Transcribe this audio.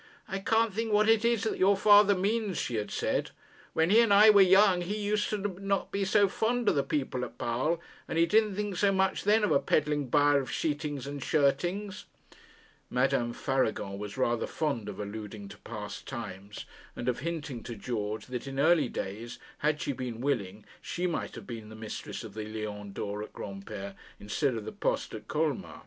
'I can't think what it is that your father means,' she had said. 'When he and I were young, he used not to be so fond of the people of Basle, and he didn't think so much then of a peddling buyer of sheetings and shirtings.' Madame Faragon was rather fond of alluding to past times, and of hinting to George that in early days, had she been willing, she might have been mistress of the Lion d'Or at Granpere, instead of the Poste at Colmar.